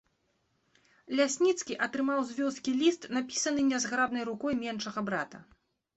Лясніцкі атрымаў з вёскі ліст, напісаны нязграбнай рукой меншага брата.